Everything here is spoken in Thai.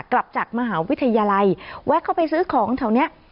กลับจากมหาวิทยาลัยแวะเข้าไปซื้อของแถวนี้